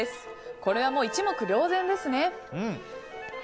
これはもう一目瞭然ですね。